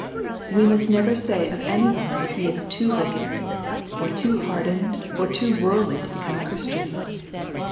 We must never say of any one that he is too wicked, or too hard ened, or too worldly to become a Christian.